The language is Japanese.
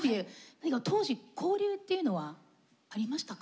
何か当時交流っていうのはありましたか？